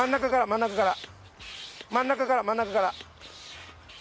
ん中から真ん中から。